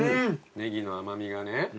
ネギの甘味がね。